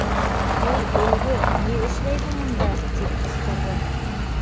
- Эй, Өлгө, ни эшләйһең унда? - тип ҡысҡырҙы.